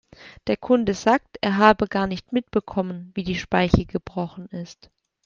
Der Kunde sagt, er habe gar nicht mitbekommen, wie die Speiche gebrochen ist.